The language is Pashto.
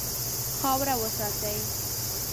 خاوره وساتئ.